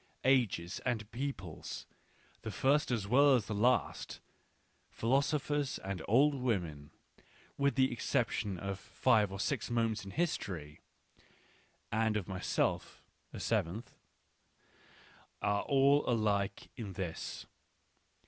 Ages and peoples, the first as well as the last, philo sophers and old women, with the exception of five or six moments in history (and of myself, the seventh), are all alike in this.